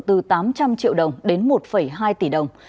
từ tám trăm linh triệu đồng đến một hai tỷ đồng